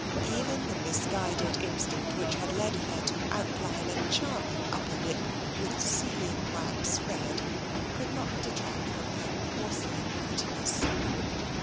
Even the misguided instinct which had led her to outline a charming upper lip with sealing wax red could not detract from her porcelain prettiness.